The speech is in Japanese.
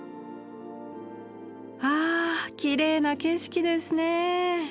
あきれいな景色ですね。